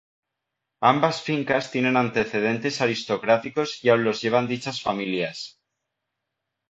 Ambas fincas tienen antecedentes aristocráticos y aún los llevan dichas familias.